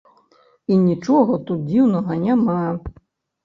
І нічога тут дзіўнага няма.